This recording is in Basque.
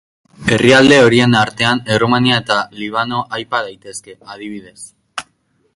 Herrialde horien artean Errumania eta Libano aipa daitezke, adibidez.